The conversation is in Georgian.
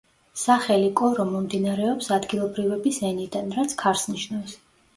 სახელი „კორო“ მომდინარეობს ადგილობრივების ენიდან, რაც ქარს ნიშნავს.